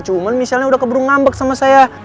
cuman misalnya udah keburu ngambek sama saya